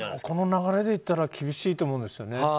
この流れでいったら厳しいと思うんですよね。